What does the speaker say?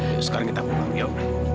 yuk sekarang kita pulang yuk